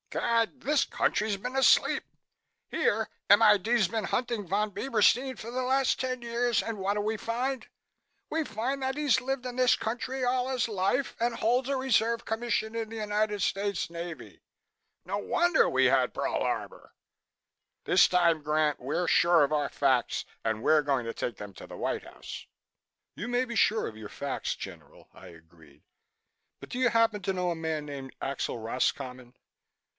Gad! this country's been asleep. Here M.I.D.'s been hunting Von Bieberstein for the last ten years and what do we find? We find that he's lived in this country all his life and holds a reserve commission in the United States Navy! No wonder we had Pearl Harbor! This time, Grant, we're sure of our facts and we're going to take them to the White House." "You may be sure of your facts, General," I agreed, "but do you happen to know a man named Axel Roscommon?"